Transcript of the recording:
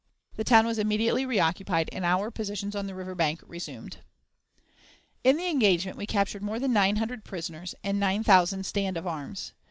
The town was immediately reoccupied, and our positions on the river bank resumed. In the engagement we captured more than 900 prisoners and 9,000 stand of arms.